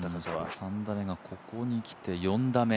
３打目がここに来て、４打目。